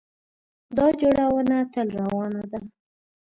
دا جوړونه تل روانه ده.